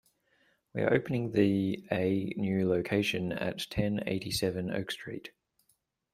We are opening the a new location at ten eighty-seven Oak Street.